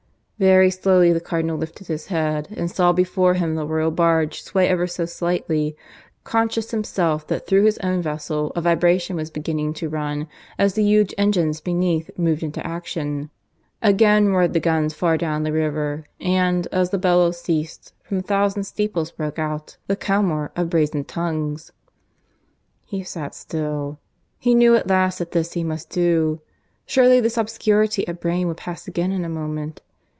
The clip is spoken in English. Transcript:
Very slowly the Cardinal lifted his head, and saw before him the Royal barge sway ever so slightly, conscious himself that through his own vessel a vibration was beginning to run as the huge engines beneath moved into action. Again roared the guns far down the river, and, as the bellow ceased, from a thousand steeples broke out the clamour of brazen tongues. ... He sat still; he knew at least that this he must do. ... Surely this obscurity of brain would pass again in a moment.